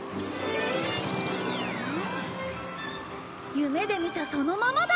夢で見たそのままだ！